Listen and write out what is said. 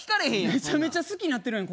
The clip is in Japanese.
めちゃめちゃ好きになってるやん